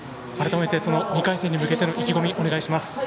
改めて、２回戦に向けての意気込み、お願いします。